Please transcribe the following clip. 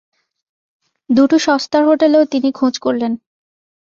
দুটো সস্তার হোটেলেও তিনি খোঁজ করলেন।